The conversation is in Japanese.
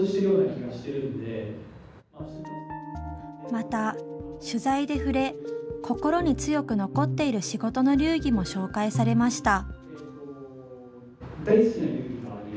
また、取材で触れ心に強く残っている仕事の流儀も紹介されました。